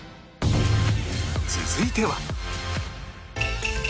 続いては